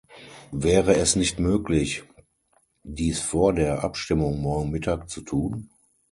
Wäre es nicht möglich, dies vor der Abstimmung morgen Mittag zu tun?